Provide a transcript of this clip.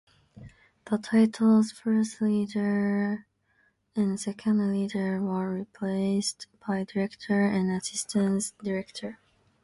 The titles First Leader and Second Leader were replaced by Director and Assistant Director.